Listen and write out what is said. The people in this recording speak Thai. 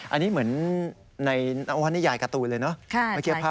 อันนี้เหมือนในนวนิยายการ์ตูนเลยเนอะ